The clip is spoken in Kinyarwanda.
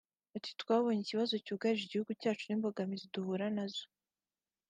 Ati “Twabonye ikibazo cyugarije igihugu cyacu n’imbogamizi duhura na zo